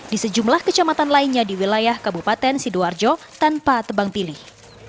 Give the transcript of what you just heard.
di sejumlah kecamatan lainnya di wilayah kabupaten sidoarjo tanpa tebang pilih